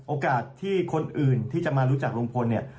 โอกาสที่คนอื่นที่จะมารู้จักลุงพลเนี่ย